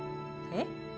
えっ？